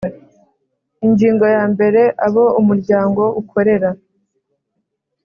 Ingingo ya mbere Abo umuryango ukorera